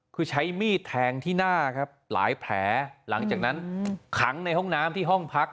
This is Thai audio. คือใช้มีดแทงที่หน้าครับหลายแผลหลังจากนั้นขังในห้องน้ำที่ห้องพัก